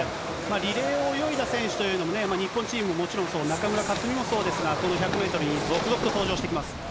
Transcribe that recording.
リレーを泳いだ選手というのも日本チームももちろんそう、中村克もそうですが、この１００メートル続々と登場してきます。